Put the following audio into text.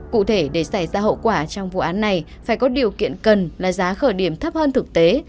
cụ thể để xảy ra hậu quả trong vụ án này phải có điều kiện cần là giá khởi điểm thấp hơn thực tế